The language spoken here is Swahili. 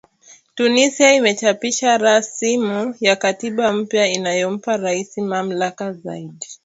Tunisia imechapisha rasimu ya katiba mpya inayompa Rais mamlaka zaidi